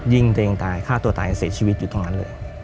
ยิงตัวเองตายฆ่าตัวตายเสียชีวิตอยู่ตรงนั้นเลย